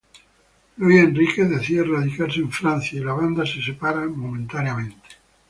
Luis Enríquez decide radicarse en Francia y la banda se separa momentáneamente.